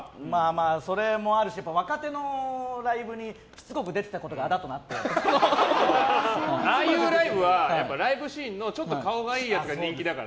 それもあるし、若手のライブにしつこく出てたことがああいうライブはライブシーンの顔がいいやつが人気だから。